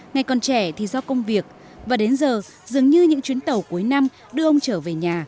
ngày còn trẻ thì do công việc và đến giờ dường như những chuyến tàu cuối năm đưa ông trở về nhà